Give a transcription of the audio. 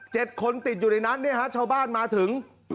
๗คนติดอยู่ในนั้นเนี่ยฮะชาวบ้านมาถึง